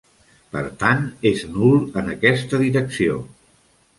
Per tant, és nul en aquesta direcció.